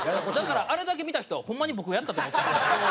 だからあれだけ見た人はホンマに僕がやったと思って。